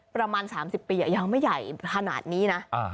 ประมาณ๓๐ปียังไม่ใหญ่ขนาดนี้นะ